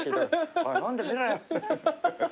「おい飲んでみろよ」